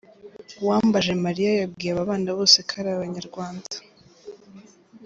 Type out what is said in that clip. Uwambajemariya yabwiye aba bana bose ko ari Abanyarwanda.